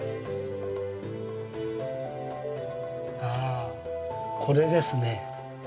ああこれですね。